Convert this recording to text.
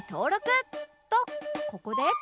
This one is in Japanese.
とここで